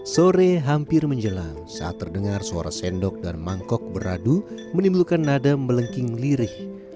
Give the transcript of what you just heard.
sore hampir menjelang saat terdengar suara sendok dan mangkok beradu menimbulkan nada melengking lirih